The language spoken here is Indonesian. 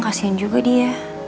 kasian juga dia